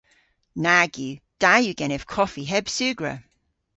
Nag yw. Da yw genev koffi heb sugra.